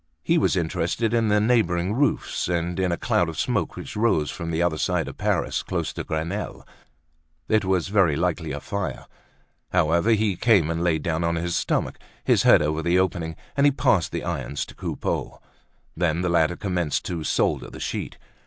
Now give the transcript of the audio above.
He was interested in the neighboring roofs, and in a cloud of smoke which rose from the other side of Paris, close to Grenelle; it was very likely a fire. However, he came and laid down on his stomach, his head over the opening, and he passed the irons to Coupeau. Then the latter commenced to solder the sheet.